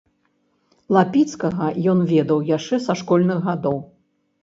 Лапіцкага ён ведаў яшчэ са школьных гадоў.